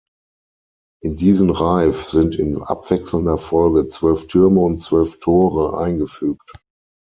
In diesen Reif sind in abwechselnder Folge zwölf Türme und zwölf Tore eingefügt.